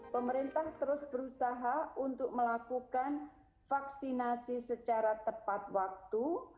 pemerintah terus berusaha untuk melakukan vaksinasi secara tepat waktu